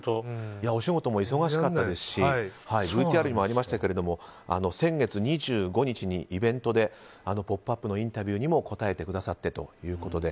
お仕事も忙しかったですしＶＴＲにもありましたけれども先月２５日にイベントで「ポップＵＰ！」のインタビューにも答えてくださってということで。